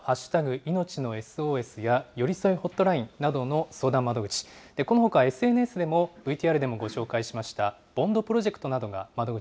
いのちＳＯＳやよりそいホットラインなどの相談窓口、このほか、ＳＮＳでもＶＴＲでもご紹介しました、ＢＯＮＤプロジ